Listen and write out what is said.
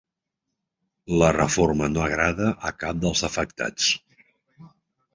La reforma no agrada a cap dels afectats.